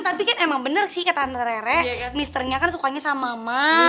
tapi kan emang bener sih ke tante rere misternya kan sukanya sama mama